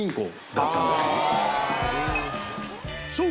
そう。